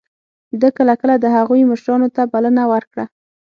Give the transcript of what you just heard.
ده کله کله د هغوی مشرانو ته بلنه ورکړه.